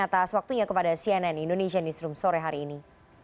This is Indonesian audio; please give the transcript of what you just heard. atas waktunya kepada cnn indonesia newsroom sore hari ini